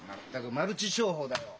マルチ商法だよ。